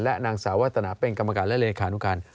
และนางสาววาสนาเป็นกรรมการและเลขานุการ